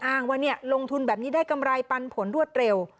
อ้างว่าลงทุนแบบนี้ได้กำไรปันผลรวดเร็ว